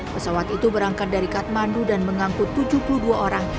pesawat itu berangkat dari kathmandu dan mengangkut tujuh puluh dua orang